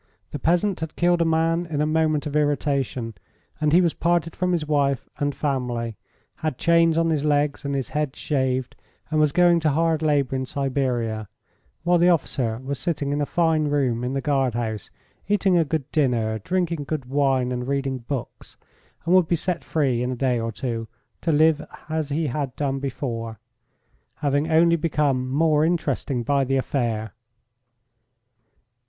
The peasant had killed a man in a moment of irritation, and he was parted from his wife and family, had chains on his legs, and his head shaved, and was going to hard labour in Siberia, while the officer was sitting in a fine room in the guardhouse, eating a good dinner, drinking good wine, and reading books, and would be set free in a day or two to live as he had done before, having only become more interesting by the affair.